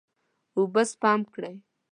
اوبه سپم کړئ.